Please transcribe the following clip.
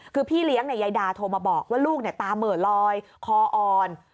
คือพี่เลี้ยงยายดาโทรมาบอกว่าลูกตาเหม่อลอยคออ่อน